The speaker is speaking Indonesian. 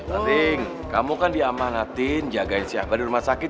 dating kamu kan diamanatin jagain si abah di rumah sakit